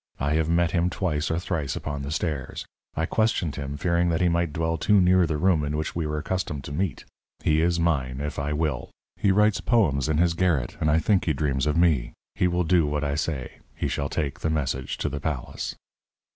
I have met him twice or thrice upon the stairs. I questioned him, fearing that he might dwell too near the room in which we are accustomed to meet. He is mine, if I will. He writes poems in his garret, and I think he dreams of me. He will do what I say. He shall take the message to the palace."